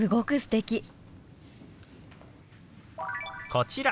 こちら。